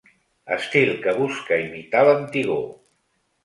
Estil que busca imitar l'antigor.